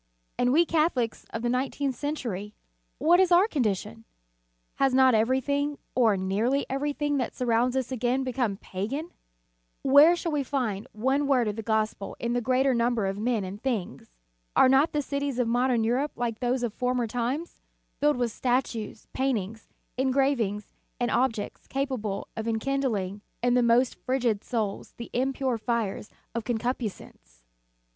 And we Catholics of the nineteenth century, what is our condition? Has not every thing, or nearly every thing that sur rounds us again become pagan? Where In the Nineteenth Century. 315 shall we find one word of the Gospel in the greater number of men and things? Are not the cities of modern Europe like those of former times, filled with statues, paintings, engravings, and objects capable of enkind ling in the most frigid souls the impure fires of concupiscence?